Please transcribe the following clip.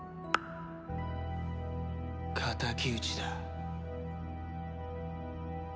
仇討ちだ。